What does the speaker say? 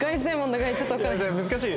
難しい。